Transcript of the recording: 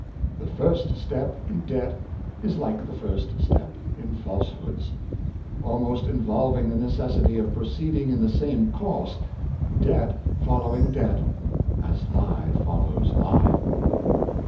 The first step in debt is like the first step in falsehoods; almost involving the necessity of proceeding in the same course, debt following debt, as. lie follows lie.